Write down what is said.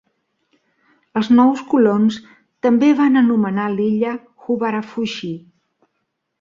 Els nous colons també van anomenar la illa "Huvarafushi".